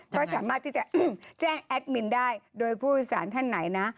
ก็สามารถที่จะแจ้งแอดมินได้โดยผู้โดยสารท่านไหนนะ